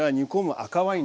赤ワイン。